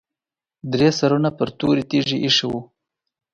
درې سرونه پر تورې تیږې ایښي وو.